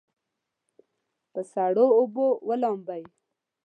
په سړو اوبو ولامبئ.